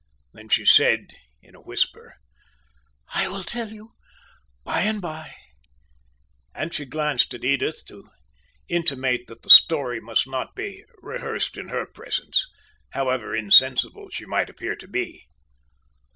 Then she said, in a whisper: "I will tell you by and by," and she glanced at Edith, to intimate that the story must not be rehearsed in her presence, however insensible she might appear to be.